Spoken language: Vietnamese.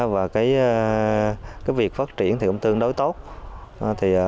và việc phát triển cũng tương đối tốt